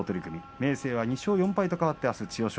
明生は２勝４敗と変わって千代翔